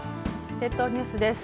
列島ニュースです。